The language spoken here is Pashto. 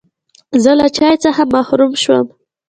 زه له چای څخه محروم شوم.